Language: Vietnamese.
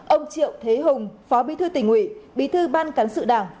ông triệu thế hùng phó bí thư tỉnh ủy bí thư ban cán sự đảng